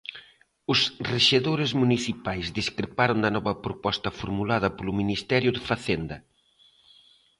Os rexedores municipais discreparon da nova proposta formulada polo Ministerio de Facenda.